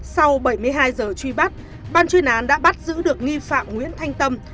sau bảy mươi hai giờ truy bắt ban chuyên án đã bắt giữ được nghi phạm nguyễn thanh tâm